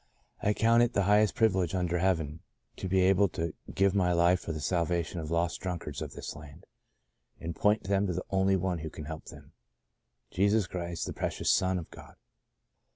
I count it the highest privilege under heaven to be able to give my life for" the salvation of the lost drunkards of this land, and point them to the only One that can help them — Jesus Christ the precious Son of God.'